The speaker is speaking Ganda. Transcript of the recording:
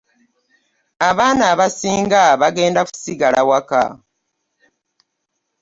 Abaana abasinga bagenda kusigala waka.